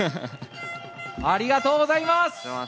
ありがとうございます！